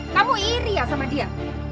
kamu iri ya sama dia